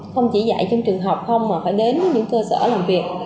không chỉ dạy trong trường học không mà phải đến những cơ sở làm việc